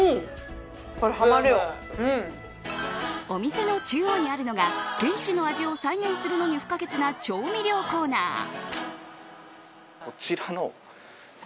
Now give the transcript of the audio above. お店の中央にあるのが現地の味を再現するのに必要不可欠な調味料コーナー。